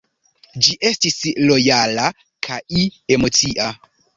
Ĝi estis lojala kai emocia.